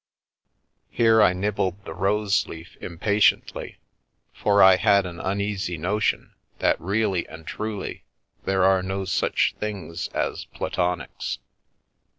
Here I nibbled the rose leaf impa tiently, for I had an uneasy notion that really and truly 96 The Babes in St. John's Wood there are no such things as platonics.